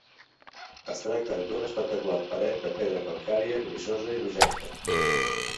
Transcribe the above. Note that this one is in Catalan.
Es tracta d'una espectacular paret de pedra calcària grisosa i rogenca.